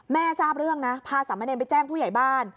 ทราบเรื่องนะพาสามเณรไปแจ้งผู้ใหญ่บ้าน